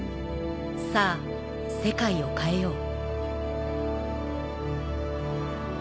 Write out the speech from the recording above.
さぁ世界を変えよう。